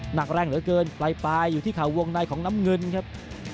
หนักแรงเหลือเกินปลายอยู่ที่ข่าววงในของน้ำเงินครับ